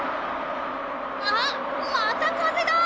ああっまたかぜだ！